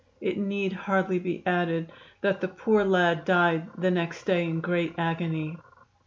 It need hardly be added that the poor lad died the next day in great agony.